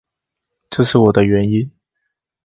这是我的原因